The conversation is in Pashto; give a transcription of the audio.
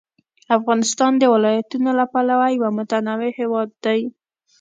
افغانستان د ولایتونو له پلوه یو متنوع هېواد دی.